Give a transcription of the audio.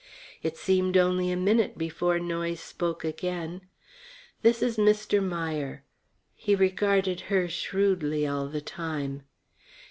It seemed only a minute before Noyes spoke again: "This is Mr. Meier." He regarded her shrewdly all the time.